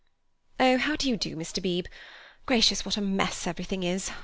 "Oh, how do you do, Mr. Beebe? Gracious what a mess everything is!